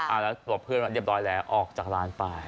แล้วตัวเพื่อนมาเรียบร้อยแล้วออกจากร้านไป